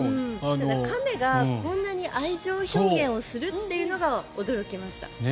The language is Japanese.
ただ、亀がこんなに愛情表現をするというのが驚きました。